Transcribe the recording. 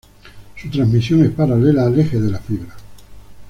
Su transmisión es paralela al eje de la fibra.